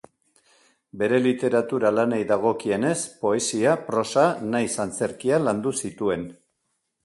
Bere literatura lanei dagokienez, poesia, prosa nahiz antzerkia landu zituen.